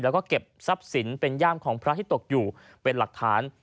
แล้วก็เก็บทรัพย์สินเป็นย่ามของพระที่ตกอยู่เป็นหลักฐาน